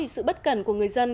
sự bất cẩn của người dân